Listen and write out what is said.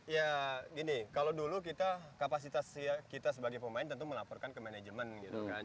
ya gini kalau dulu kita kapasitas kita sebagai pemain tentu melaporkan ke manajemen gitu kan